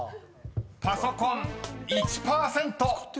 ［「パソコン」１％］